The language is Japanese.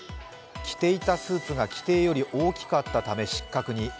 着ていたスーツが規定より大きかったため失格に。